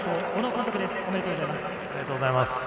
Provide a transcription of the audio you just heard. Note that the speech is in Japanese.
おめでとうございます。